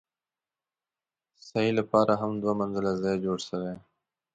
سعې لپاره هم دوه منزله ځای جوړ شوی.